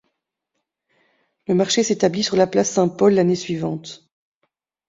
Le marché s'établit sur la place Saint-Paul l'année suivante.